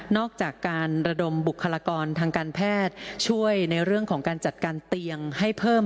อกจากการระดมบุคลากรทางการแพทย์ช่วยในเรื่องของการจัดการเตียงให้เพิ่ม